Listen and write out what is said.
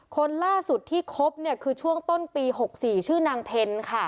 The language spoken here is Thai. คนล่าสุดที่คบเนี่ยคือช่วงต้นปี๖๔ชื่อนางเพลค่ะ